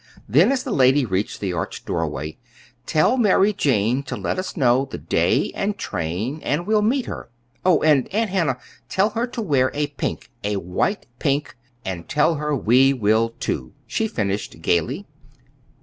Then, as the lady reached the arched doorway: "Tell Mary Jane to let us know the day and train and we'll meet her. Oh, and Aunt Hannah, tell her to wear a pink a white pink; and tell her we will, too," she finished gayly.